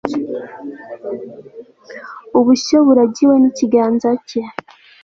ubushyo buragiwe n'ikiganza cye